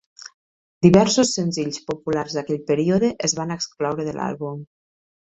Diversos senzills populars d'aquell període es van excloure de l'àlbum.